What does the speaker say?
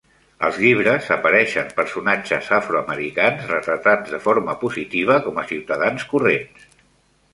Als llibres apareixen personatges afroamericans, retratats de forma positiva com a ciutadans corrents.